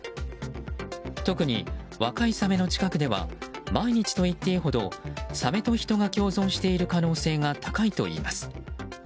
特に、若いサメの近くでは毎日といっていいほどサメと人が共存している可能性が高いといいます。